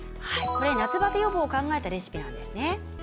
夏バテ予防を考えたレシピなんですね。